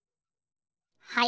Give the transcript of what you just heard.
はい。